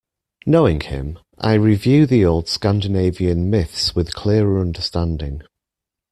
Knowing him, I review the old Scandinavian myths with clearer understanding.